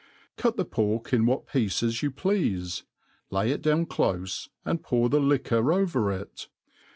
Cut the pork in what pieces you pleafe, lay it down clofe, and pour the liquor over it.